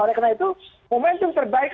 oleh karena itu momentum terbaik